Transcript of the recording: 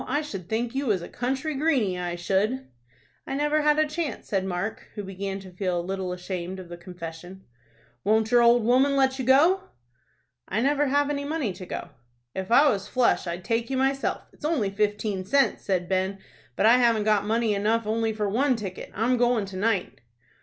I should think you was a country greeny, I should." "I never had a chance," said Mark, who began to feel a little ashamed of the confession. "Won't your old woman let you go?" "I never have any money to go." "If I was flush I'd take you myself. It's only fifteen cents," said Ben. "But I haven't got money enough only for one ticket. I'm goin' to night."